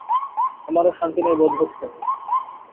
আমারও শান্তি নেই বোধ হচ্ছে।